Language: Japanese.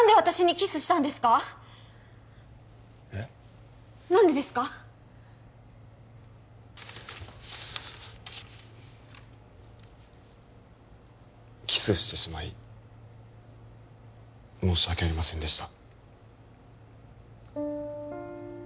キスしてしまい申し訳ありませんでした